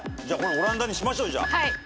じゃあこれオランダにしましょうよ。